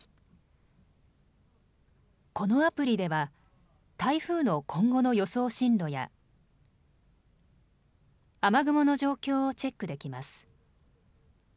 このアプリでは台風の今後の予想進路や雨雲の状況をチェックできます。